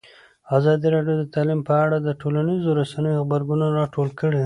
ازادي راډیو د تعلیم په اړه د ټولنیزو رسنیو غبرګونونه راټول کړي.